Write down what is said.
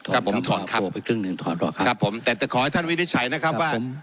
ครับผมถอนครับครับผมแต่ขอให้ท่านวินิจฉัยนะครับว่าครับผม